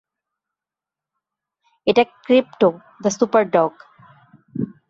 এটা Krypto the Superdog!